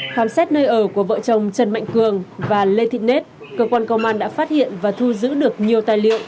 khám xét nơi ở của vợ chồng trần mạnh cường và lê thị net cơ quan công an đã phát hiện và thu giữ được nhiều tài liệu